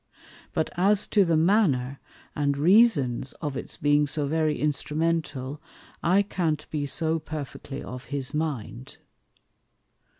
But as to the manner, and reasons of its being so very instrumental, I can't be so perfectly of his mind.